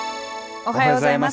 おはようございます。